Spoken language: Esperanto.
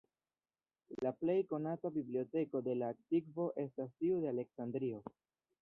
La plej konata biblioteko de la antikvo estas tiu de Aleksandrio.